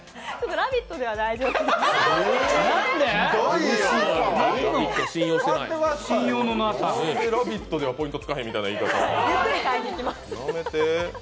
「ラヴィット！」ではポイントつかないみたいな言い方やめて。